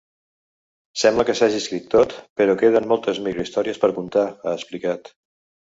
Sembla que s’hagi escrit tot però queden moltes microhistòries per contar, ha explicat.